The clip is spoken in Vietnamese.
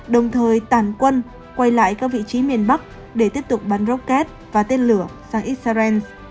đồng thời tản quân quay lại các vị trí miền bắc để tiếp tục bắn rocket và tên lửa sang israel